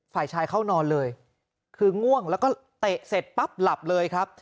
ฝ่ายชายเข้านอนเลยคือง่วงแล้วก็เตะเสร็จปั๊บหลับเลยครับ